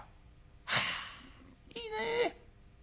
はあいいね。